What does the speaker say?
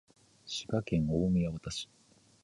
滋賀県近江八幡市